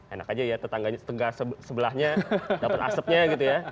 enak aja ya tetangga sebelahnya dapat asapnya gitu ya